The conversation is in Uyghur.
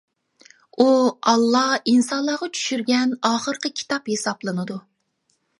ئۇ ئاللا ئىنسانلارغا چۈشۈرگەن ئاخىرقى كىتاب ھېسابلىنىدۇ.